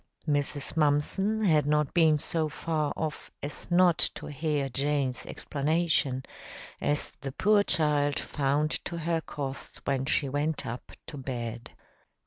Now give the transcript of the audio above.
Mrs. Mumpson had not been so far off as not to hear Jane's explanation, as the poor child found to her cost when she went up to bed.